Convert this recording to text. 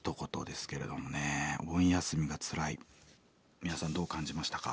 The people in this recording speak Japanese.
皆さんどう感じましたか？